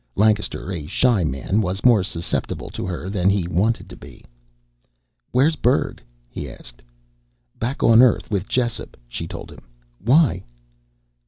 Lancaster, a shy man, was more susceptible to her than he wanted to be. "Where's Berg?" he asked. "Back on Earth with Jessup," she told him. "Why?"